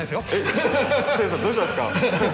誓さんどうしたんですか。